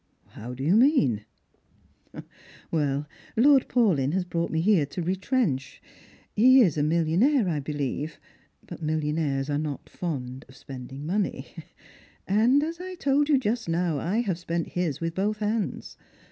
" How do you mean ?"" Lord Paulyn has brought me here to retrench. He is a millionaire, I believe, but millionaires are not fond of spending money, and, as I told you just now, I have spent his with both hands.